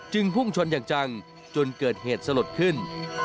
พุ่งชนอย่างจังจนเกิดเหตุสลดขึ้น